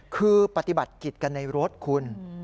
คือปฏิบัติกิจกันในรถคุณ